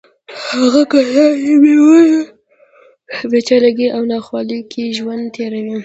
هغه کسان چې په بېوزلۍ، بېچارهګۍ او ناخوالو کې ژوند تېروي.